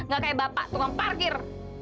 gak kayak bapak tukang parkir